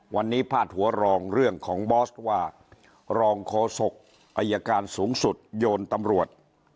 วันนี้พาดหัวรองเรื่องของบอสว่ารองโฆษกอายการสูงสุดโยนตำรวจ